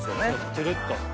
つるっと。